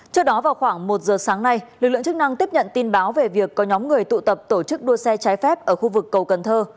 trước đó vào khoảng một giờ sáng nay lực lượng chức năng tiếp nhận tin báo về việc có nhóm người tụ tập tổ chức đua xe trái phép ở khu vực cầu cần thơ